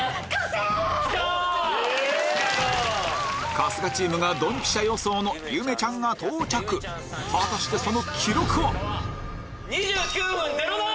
春日チームがドンピシャ予想のゆめちゃんが到着果たしてやった！